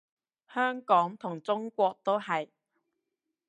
香港同中國都係